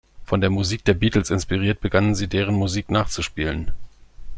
Von der Musik der Beatles inspiriert, begannen sie deren Musik nachzuspielen.